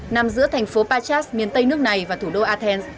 nằm giữa thành phố pachas miền tây nước này và thủ đô athens